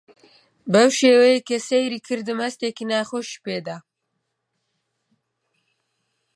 بەو شێوەیەی کە سەیری کردم هەستێکی ناخۆشی پێ دام.